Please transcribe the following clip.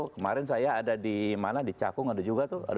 kemarin saya ada di mana di cakung ada juga tuh